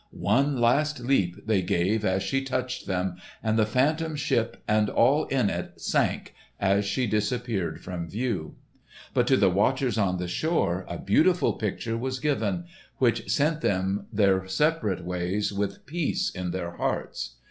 One last leap they gave as she touched them, and the Phantom Ship and all in it sank as she disappeared from view. But to the watchers on the shore a beautiful picture was given, which sent them their separate ways with peace in their hearts.